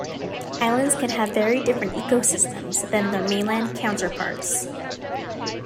Islands can have very different ecosystems than their mainland counterparts.